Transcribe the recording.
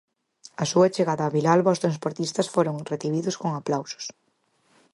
Á súa chegada a Vilalba os transportistas foron recibidos con aplausos...